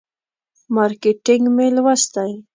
مارکیټینګ مې لوستی.